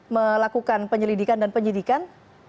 melakukan penyelidikan dan penyidikan